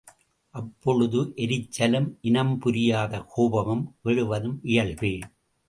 அப்பொழுது எரிச்சலும், இனம் புரியாத கோபமும் எழுவதும் இயல்பே.